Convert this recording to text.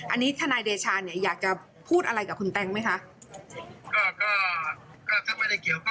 อันนี้ทนายเดชาเนี่ยอยากจะพูดอะไรกับคุณแต๊งไหมคะ